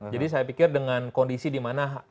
jadi saya pikir dengan kondisi dimana